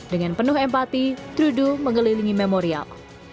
dengan penuh empati trude mengelilingi memorial